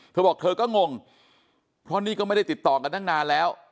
เธอบอกเธอก็งงเพราะนี่ก็ไม่ได้ติดต่อกันตั้งนานแล้ว